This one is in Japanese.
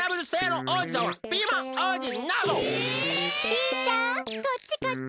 ピーちゃんこっちこっち！